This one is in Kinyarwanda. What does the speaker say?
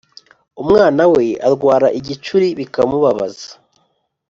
umwana we arwara igicuri bikamubabaza